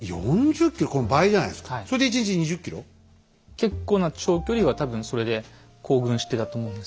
結構な長距離は多分それで行軍してたと思うんですね。